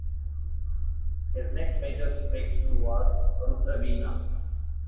His next major breakthrough was "Rudraveena".